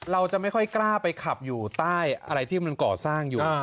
เราจะไม่ค่อยกล้าไปขับอยู่ใต้อะไรที่มันก่อสร้างอยู่